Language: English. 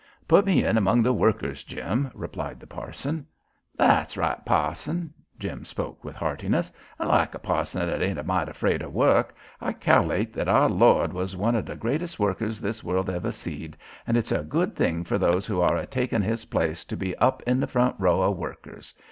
"Put me in among the workers, Jim," replied the parson. "That's right, Pa'son," Jim spoke with heartiness. "I like a pa'son that ain't a mite afraid o' work. I callate that our Lord was one o' the greatest workers this world ever seed, and it's a good thing fur those who are a takin' His place to be up in the front row o' workers.